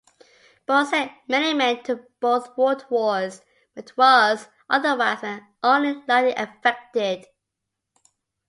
Bourne sent many men to both world wars, but was otherwise only lightly affected.